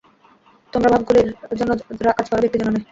তোমরা ভাবগুলির জন্য কাজ কর, ব্যক্তির জন্য নয়।